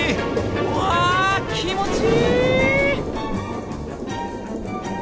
わあ気持ちいい！